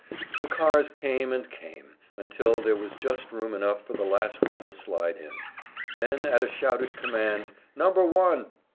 The cars came and came, until there was just room enough for the last one to slide in. Then at a shouted command, "Number one!"